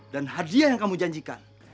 hadiah yang kamu janjikan